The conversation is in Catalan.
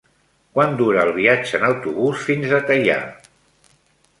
Quant dura el viatge en autobús fins a Teià?